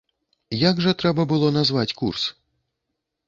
Як жа трэба было назваць курс?